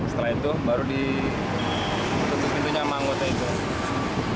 setelah itu baru ditutup pintunya sama anggota itu